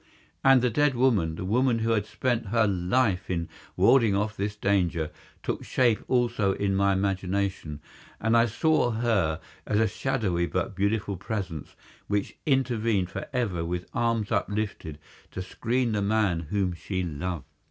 And the dead woman, the woman who had spent her life in warding off this danger, took shape also to my imagination, and I saw her as a shadowy but beautiful presence which intervened for ever with arms uplifted to screen the man whom she loved.